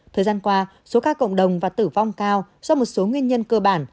thời gian qua số ca cộng đồng và tử vong cao do một số nguyên nhân cơ bản